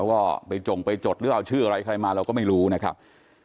ว่าไปจงไปจดหรือเอาชื่ออะไรใครมาเราก็ไม่รู้นะครับ